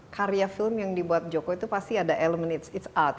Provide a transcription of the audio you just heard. karya film yang dibuat joko itu pasti ada elemen it's art